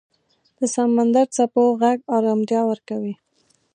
د سمندر څپو غږ آرامتیا ورکوي.